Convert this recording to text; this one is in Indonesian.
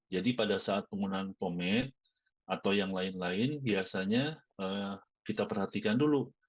jadi pada saat penggunaan pomade atau yang lain lain biasanya kita perhatikan dulu